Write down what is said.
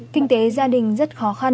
kinh tế gia đình rất khó khăn